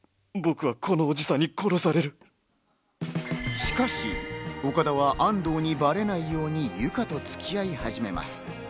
しかし、岡田は安藤にバレないようにユカと付き合い始めます。